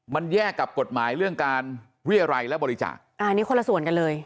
มันแยกกับกฎหมายเรื่องการเรียรัยและบริจาคอันนี้คนละส่วนกันเลย